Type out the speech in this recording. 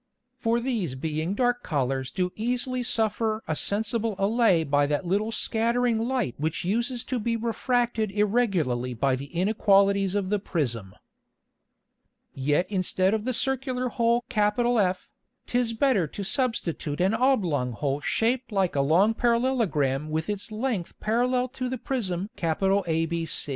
For these being dark Colours do easily suffer a sensible Allay by that little scattering Light which uses to be refracted irregularly by the Inequalities of the Prism. Yet instead of the Circular Hole F, 'tis better to substitute an oblong Hole shaped like a long Parallelogram with its Length parallel to the Prism ABC.